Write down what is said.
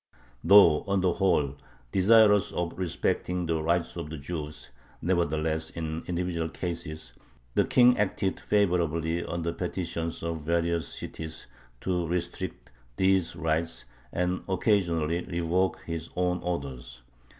Though on the whole desirous of respecting the rights of the Jews, nevertheless, in individual cases, the King acted favorably on the petitions of various cities to restrict these rights, and occasionally revoked his own orders.